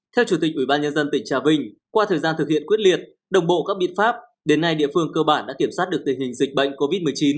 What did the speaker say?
theo chủ tịch ủy ban nhân dân tỉnh trà vinh qua thời gian thực hiện quyết liệt đồng bộ các biện pháp đến nay địa phương cơ bản đã kiểm soát được tình hình dịch bệnh covid một mươi chín